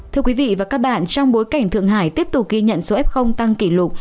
thưa quý vị và các bạn trong bối cảnh thượng hải tiếp tục ghi nhận số f tăng kỷ lục